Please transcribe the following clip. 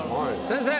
先生。